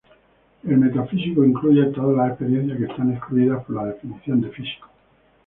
El metafísico incluye todas las experiencias que está excluido por la definición de físico.